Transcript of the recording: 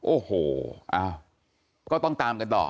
โอ้โหก็ต้องตามกันต่อ